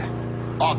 あっ！